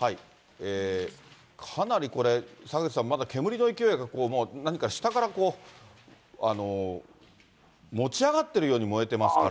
かなりこれ、坂口さん、まだ煙の勢いが、何か下からこう、持ち上がっているように燃えてますから。